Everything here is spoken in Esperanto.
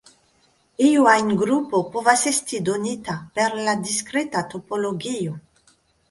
Iu ajn grupo povas esti donita per la diskreta topologio.